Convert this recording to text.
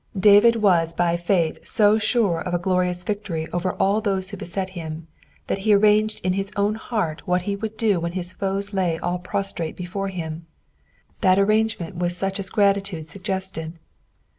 David was by faith so sure of a glorious victory over all those who beset him, that he arranged in his own 4 EXPOSITIONS OF THE PSALUB. Ueart wh&t be would do when his foes lay all prostrate before him ; that amnge ment was Buch as gratitude sugeested.